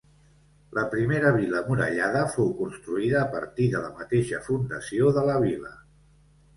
La primera vila murallada fou construïda a partir de la mateixa fundació de la vila.